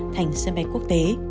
thành sân bay quốc tế